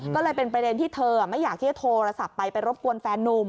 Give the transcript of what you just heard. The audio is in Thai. ก็เลยเป็นประเด็นที่เธอไม่อยากที่จะโทรศัพท์ไปไปรบกวนแฟนนุ่ม